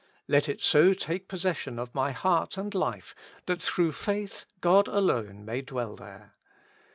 Let it so take possession of my heart and life that through faith God alone may dwell there.